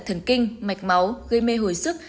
thần kinh mạch máu gây mê hồi sức